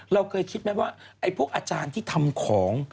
เราเคยคิดไหมว่าไอ้พวกอาจารย์ที่ทำของ